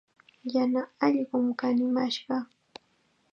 Yana allqum kanimashqa.